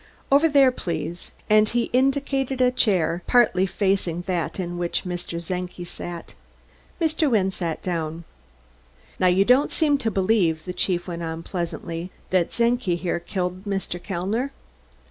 Over there, please," and he indicated a chair partly facing that in which Mr. Czenki sat. Mr. Wynne sat down. "Now you don't seem to believe," the chief went on pleasantly, "that Czenki here killed Mr. Kellner?"